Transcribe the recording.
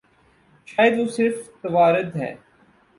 شاید وہ صرف توارد ہے۔